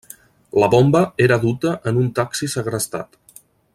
La bomba era duta en un taxi segrestat.